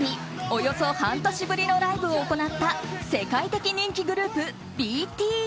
およそ半年ぶりのライブを行った世界的人気グループＢＴＳ。